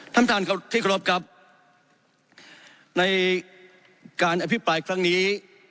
ท่านท่านที่ครบครับในการอภิปรายครั้งนี้